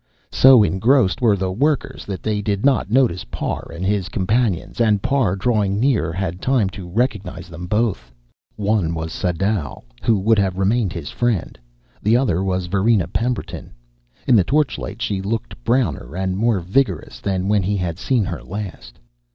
So engrossed were the workers that they did not notice Parr and his companions, and Parr, drawing near, had time to recognize both. One was Sadau, who would have remained his friend. The other was Varina Pemberton. In the torchlight she looked browner and more vigorous than when he had seen her last.